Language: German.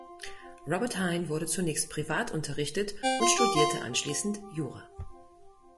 Robert Hayne wurde zunächst privat unterrichtet und studierte anschließend Jura.